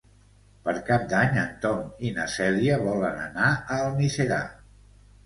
Per Cap d'Any en Tom i na Cèlia volen anar a Almiserà.